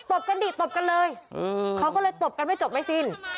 บกันดิตบกันเลยเขาก็เลยตบกันไม่จบไม่สิ้น